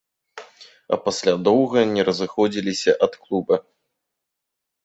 А пасля доўга не разыходзіліся ад клуба.